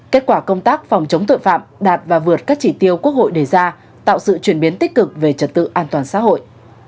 kết quả công tác phòng chống tội phạm đạt và vượt các chỉ tiêu quốc hội đề ra tạo sự chuyển biến tích cực về trật tự an toàn xã hội